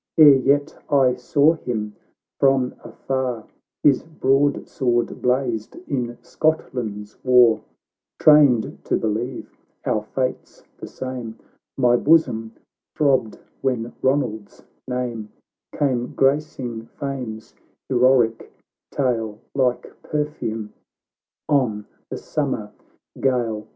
Ere yet I saw him, while afar His broadsword blazed in Scotland's war, Trained to believe our fates the same, My bosom throbbed when Ronald's name Came gracing Fame's heroic tale, Like perfume on the summer gale.